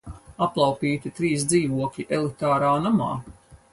Aplaupīti trīs dzīvokļi elitārā namā!